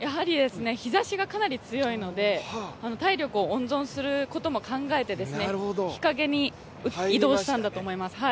日ざしがかなり強いので、体力を温存することも考えて日陰に移動したんだと思います。